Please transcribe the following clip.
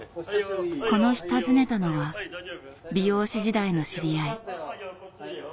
この日訪ねたのは美容師時代の知り合い。